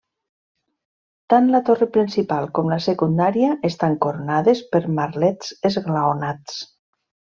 Tant la torre principal com la secundària estan coronades per merlets esglaonats.